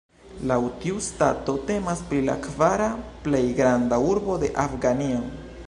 Laŭ tiu stato temas pri la kvara plej granda urbo de Afganio.